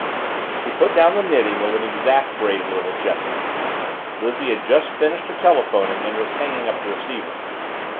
She put down the knitting with an exasperated little gesture. Lizzie had just finished her telephoning and was hanging up the receiver.